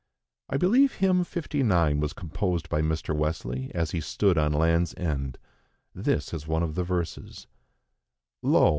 I believe hymn 59 was composed by Mr. Wesley as he stood on Land's End; this is one of the verses: "Lo!